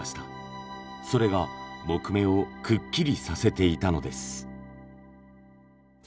それが木目をくっきりさせていたのです。